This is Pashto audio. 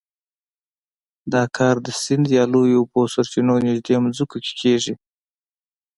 دا کار د سیند یا لویو اوبو سرچینو نږدې ځمکو کې کېږي.